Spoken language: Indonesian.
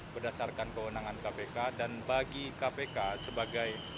berdasarkan kewenangan kpk dan bagi kpk sebagai